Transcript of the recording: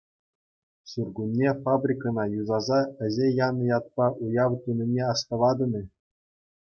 Ҫуркунне фабрикӑна юсаса ӗҫе янӑ ятпа уяв тунине астӑватӑн-и?